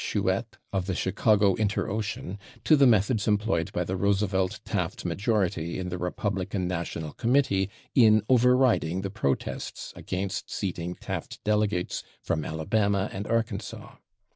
Schuette, of the /Chicago Inter Ocean/, to the methods employed by the Roosevelt Taft majority in the Republican National Committee in over riding the protests against seating Taft delegates from Alabama and Arkansas.